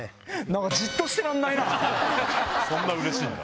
そんなうれしいんだ。